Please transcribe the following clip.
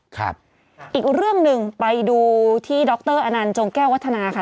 ครับอีกเรื่องหนึ่งไปดูที่ดรอนันต์จงแก้ววัฒนาค่ะ